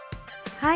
はい。